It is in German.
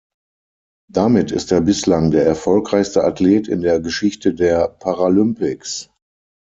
Damit ist er bislang der erfolgreichste Athlet in der Geschichte der Paralympics.